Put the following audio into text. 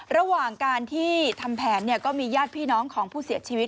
ระหว่างการที่ทำแผนก็มีญาติพี่น้องของผู้เสียชีวิต